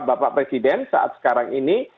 bapak presiden saat sekarang ini